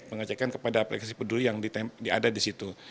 pengecekan kepada aplikasi peduli yang ada di situ